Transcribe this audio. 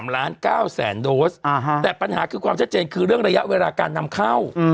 ๙แสนโดสแต่ปัญหาคือความชัดเจนคือเรื่องระยะเวลาการนำเข้า